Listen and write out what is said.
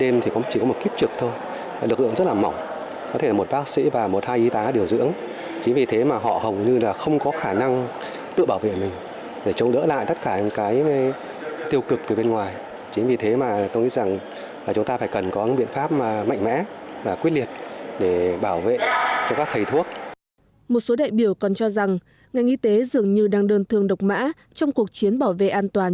một số đại biểu còn cho rằng ngành y tế dường như đang đơn thương độc mã trong cuộc chiến bảo vệ an toàn